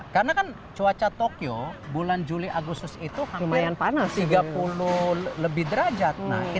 karena kan cuaca tokyo bulan juli agustus itu hampir tiga puluh lebih derajat